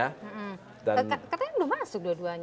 katanya belum masuk dua duanya